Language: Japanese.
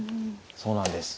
そうなんです。